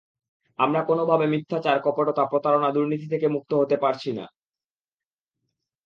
আমরা কোনোভাবে মিথ্যাচার, কপটতা, প্রতারণা, দুর্নীতি থেকে মুক্ত হতে পারছি না।